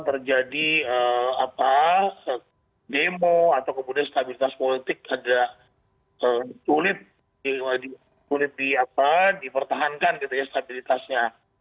terjadi demo atau kemudian stabilitas politik agak sulit dipertahankan gitu ya stabilitasnya